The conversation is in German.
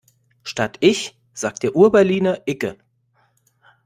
Statt ich sagt der Urberliner icke.